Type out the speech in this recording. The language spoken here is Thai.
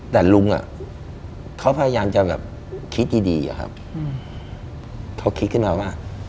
แต่ลุงเขาพยายามจะคิดดีเขาคิดขึ้นมาว่า